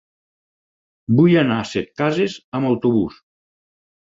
Vull anar a Setcases amb autobús.